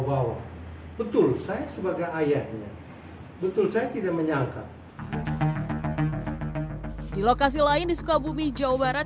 bahwa betul saya sebagai ayahnya betul saya tidak menyangka di lokasi lain di sukabumi jawa barat